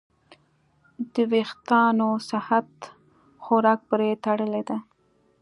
د وېښتیانو صحت خوراک پورې تړلی دی.